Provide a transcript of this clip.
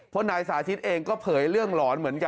เพราะนายสาธิตเองก็เผยเรื่องหลอนเหมือนกัน